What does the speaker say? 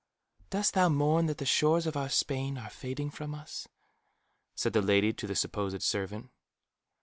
"Dost thou mourn that the shores of our Spain are fading from us?" said the lady to the supposed servant.